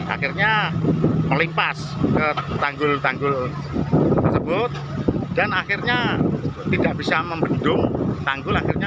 akhirnya melimpas ke tanggul tanggul tersebut dan akhirnya tidak bisa membendung tanggul akhirnya